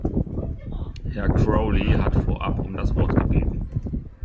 Herr Crowley hat vorab um das Wort gebeten.